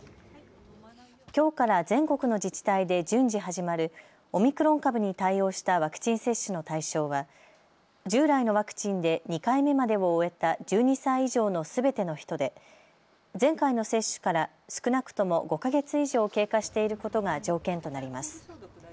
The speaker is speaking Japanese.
きょうから全国の自治体で順次始まるオミクロン株に対応したワクチン接種の対象は従来のワクチンで２回目までを終えた１２歳以上のすべての人で前回の接種から少なくとも５か月以上、経過していることが条件となります。